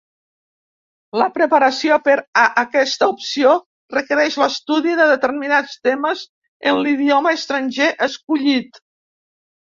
La preparació per a aquesta opció requereix l'estudi de determinats temes en l'idioma estranger escollit.